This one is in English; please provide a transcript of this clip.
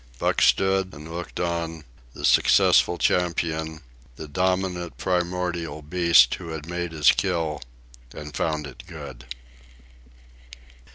Buck stood and looked on, the successful champion, the dominant primordial beast who had made his kill and found it good.